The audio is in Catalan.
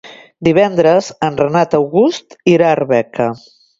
Divendres en Renat August irà a Arbeca.